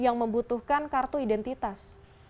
yang membutuhkan kartu identitas